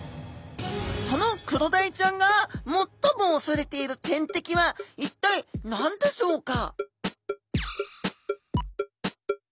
そのクロダイちゃんが最もおそれている天敵は一体何でしょうか？